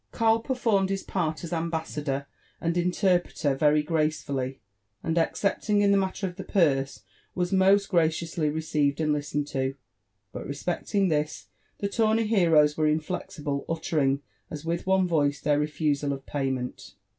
Karl performed his part as ambassador and interpreter very grace fully, and, excepting in the matter of the purse, was most graciously to IN XilFB AND ADVWTURBS P received and listened to ; but respecting this the tawny heroes were inflexible, uttering, as with one voice, their refusal of payment.